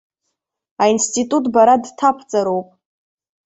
Аинститут бара дҭабҵароуп.